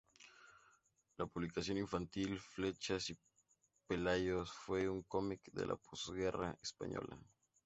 La publicación infantil "Flechas y Pelayos" fue un cómic de la posguerra española.